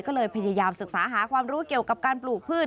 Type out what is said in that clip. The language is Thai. ก็เลยพยายามศึกษาหาความรู้เกี่ยวกับการปลูกพืช